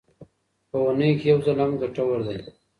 په اونۍ کې یو ځل هم ګټور دی.